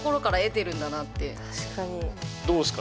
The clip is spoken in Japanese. どうですか？